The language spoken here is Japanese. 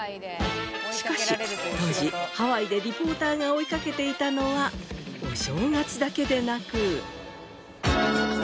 しかし当時ハワイでリポーターが追いかけていたのはお正月だけでなく。